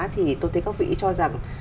thì tôi thấy các vị cho rằng